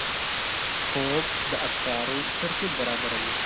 خوب د افکارو ترتیب برابروي